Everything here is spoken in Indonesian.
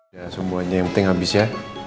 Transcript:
ya semuanya yang penting habis ya